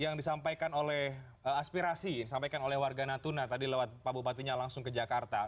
yang disampaikan oleh aspirasi yang disampaikan oleh warga natuna tadi lewat pak bupatinya langsung ke jakarta